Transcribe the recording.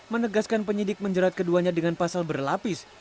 menegaskan penyidik menjerat keduanya dengan pasal berlapis